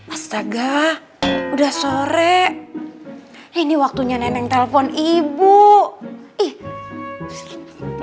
astaga sudah sore ini waktunya neneng telpon ibu